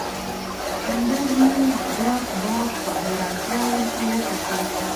انډریو ډاټ باس په حیرانتیا ورته وکتل